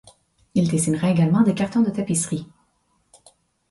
Il dessinera également des cartons de tapisserie.